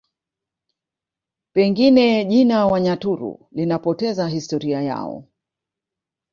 Pengine jina Wanyaturu linapoteza historia yao